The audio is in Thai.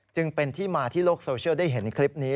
จึงเป็นที่มาที่โลกโซเชียลได้เห็นคลิปนี้